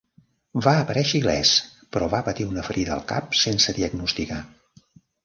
Va aparèixer il·lès, però va patir una ferida al cap sense diagnosticar.